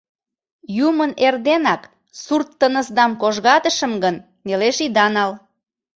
Юмын эрденак сурт тынысдам кожгатышым гын, нелеш ида нал.